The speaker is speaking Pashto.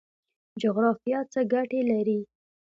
جغرافیه څه ګټه لري؟